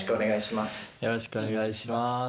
よろしくお願いします